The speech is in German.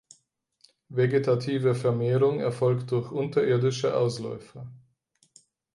Vegetative Vermehrung erfolgt durch unterirdische Ausläufer.